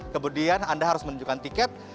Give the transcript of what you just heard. kemudian anda harus menunjukkan tiket